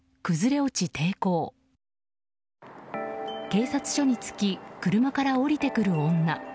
警察署につき車から降りてくる女。